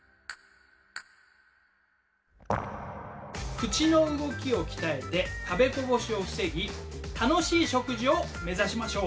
口の動きを鍛えて食べこぼしを防ぎ楽しい食事を目指しましょう。